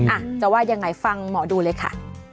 อ่ะจะว่ายังไงฟังหมอดูเลยค่ะ